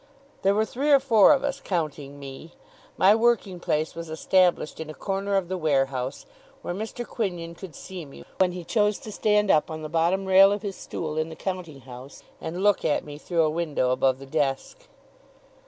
There were three or four of us, counting me. My working place was established in a corner of the warehouse, where Mr. Quinion could see me, when he chose to stand up on the bottom rail of his stool in the counting house, and look at me through a window above the desk.